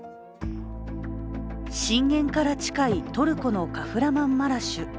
震源から近いトルコのカフラマンマラシュ。